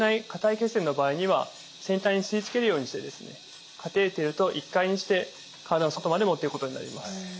血栓の場合には先端に吸い付けるようにしてですねカテーテルと一塊にして体の外まで持っていくことになります。